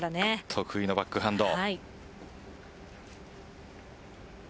得意のバックハンド。